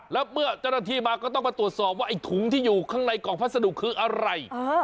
แล้วเมื่อเจ้าหน้าที่มาก็ต้องมาตรวจสอบว่าไอ้ถุงที่อยู่ข้างในกล่องพัสดุคืออะไร